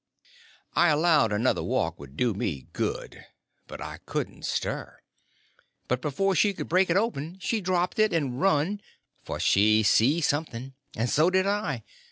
I allowed another walk would do me good; but I couldn't stir. But before she could break it open she dropped it and run—for she see something. And so did I.